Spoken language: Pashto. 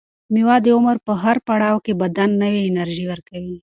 مېوه د عمر په هر پړاو کې بدن ته نوې انرژي ورکوي.